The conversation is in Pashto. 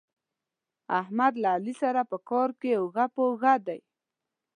احمد له علي سره په کار کې اوږه په اوږه دی.